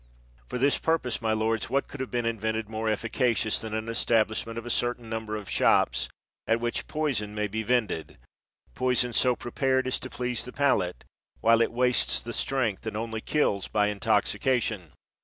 For this purpose, my lords, what could have been invented more efficacious than an establish ment of a certain number of shops at which poison may be vended — poison so prepared as to please the palate, while it wastes the strength, and only kills by intoxication?